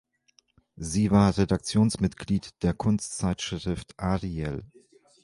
Sie war Redaktionsmitglied der Kunstzeitschrift "Ariel".